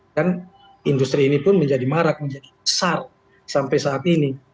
dan industri ini pun menjadi marak menjadi besar sampai saat ini